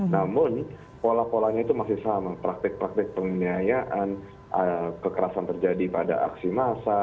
namun pola polanya itu masih sama praktik praktik penganiayaan kekerasan terjadi pada aksi massa